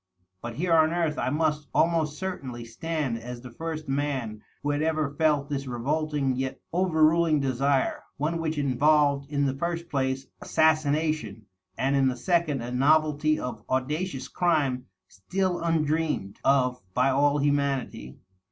But here on earth I must almost certainly stand as the first man who had ever felt this revolting yet overruling desire • one which involved in the first place assassina tion, and in the second a novelty of audacious crime still undreamed of by all humanity.